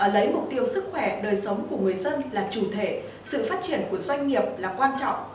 lấy mục tiêu sức khỏe đời sống của người dân là chủ thể sự phát triển của doanh nghiệp là quan trọng